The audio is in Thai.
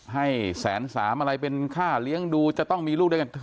ให้แสนสามอะไรเป็นค่าเลี้ยงดูจะต้องมีลูกด้วยกัน